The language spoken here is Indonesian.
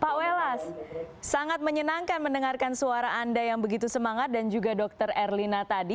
pak welas sangat menyenangkan mendengarkan suara anda yang begitu semangat dan juga dr erlina tadi